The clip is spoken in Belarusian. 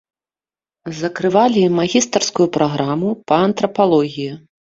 Закрывалі магістарскую праграму па антрапалогіі.